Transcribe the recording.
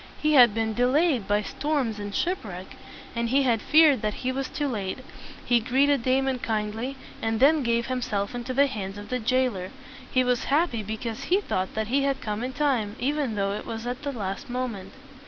He had been de layed by storms and ship wreck, and he had feared that he was too late. He greeted Damon kindly, and then gave himself into the hands of the jailer. He was happy because he thought that he had come in time, even though it was at the last moment.